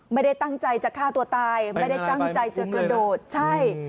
ไม่ได้ตั้งใจจะฆ่าตัวตายไม่ได้ตั้งใจจะกระโดดใช่